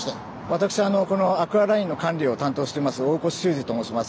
私アクアラインの管理を担当してます大越秀治と申します。